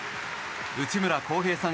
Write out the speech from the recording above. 内村航平さん